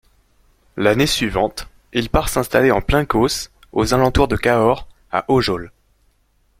L'année suivante, il part s'installer en plein Causse, aux alentours de Cahors, à Aujols.